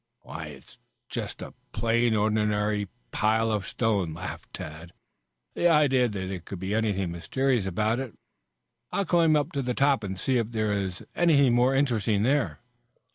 "Why, it's just a plain, ordinary pile of stone," laughed Tad. "The idea that there could be anything mysterious about it! I'll climb up to the top and see if there is anything more interesting there."